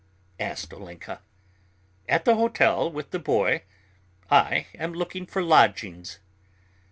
asked Olenka. "At the hotel with the boy. I am looking for lodgings."